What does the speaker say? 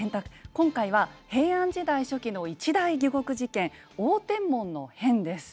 今回は平安時代初期の一大疑獄事件応天門の変です。